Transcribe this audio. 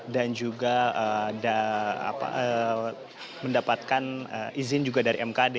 dan juga mendapatkan izin juga dari mkd